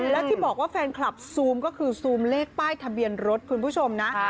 แล้วที่บอกว่าแฟนคลับซูมก็คือซูมเลขป้ายทะเบียนรถคุณผู้ชมนะ